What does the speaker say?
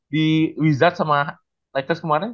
di wezat sama lakers kemarin